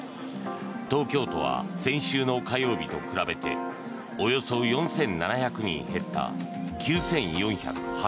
東京都は先週の火曜日と比べておよそ４７００人減った９４８６人。